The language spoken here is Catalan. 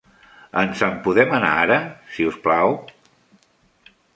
Ens en podem anar ara, si us plau?